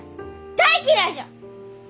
大嫌いじゃ！